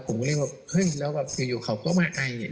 ผมก็เรียกว่าเฮ้ยแล้วอยู่เขาก็ไม่เข้ามาไ้